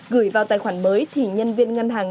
gửi vào tài khoản mới thì nhân viên ngân hàng